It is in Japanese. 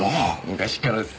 昔からです。